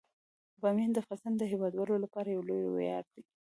بامیان د افغانستان د هیوادوالو لپاره یو لوی ویاړ دی.